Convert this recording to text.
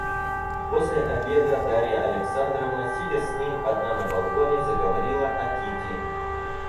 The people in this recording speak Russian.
После обеда Дарья Александровна, сидя с ним одна на балконе, заговорила о Кити.